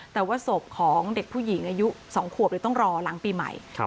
แต่ว่าศพของเด็กผู้หญิงอายุ๒ขวบเลยต้องรอหลังปีใหม่